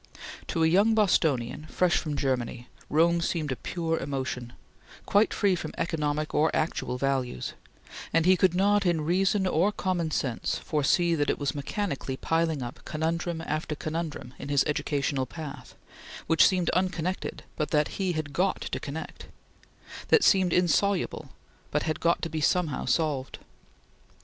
To a young Bostonian, fresh from Germany, Rome seemed a pure emotion, quite free from economic or actual values, and he could not in reason or common sense foresee that it was mechanically piling up conundrum after conundrum in his educational path, which seemed unconnected but that he had got to connect; that seemed insoluble but had got to be somehow solved.